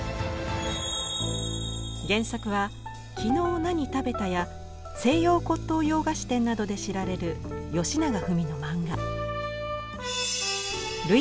原作は「きのう何食べた？」や「西洋骨董洋菓子店」などで知られるよしながふみの漫画。